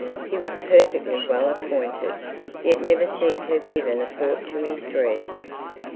He was perfectly well appointed, yet never seemed to have given a thought to his dress.